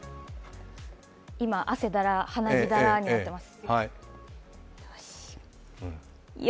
今、汗だら、鼻血だらになってます。